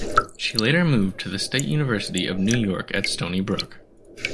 She later moved to the State University of New York at Stony Brook.